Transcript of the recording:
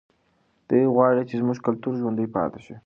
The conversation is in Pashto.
دی غواړي چې زموږ کلتور ژوندی پاتې شي.